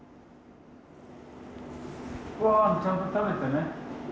ごはんちゃんと食べてね。